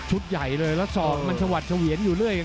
ชุดใหญ่เลยแล้วสอบมันจะหวัดจะเหวียนอยู่เรื่อย